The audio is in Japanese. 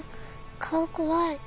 顔怖い。